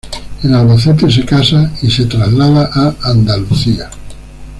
En Albacete se casa y se traslada a Andalucía.